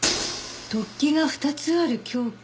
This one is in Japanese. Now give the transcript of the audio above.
突起が２つある凶器？